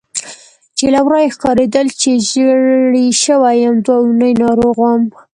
چې له ورایه ښکارېدل چې ژېړی شوی یم، دوه اونۍ ناروغ وم.